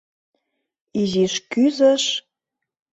Изиш кӱзыш...